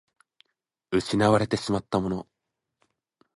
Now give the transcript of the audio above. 失われてしまったもの